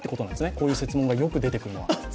こういう設問でよく出てくるのは。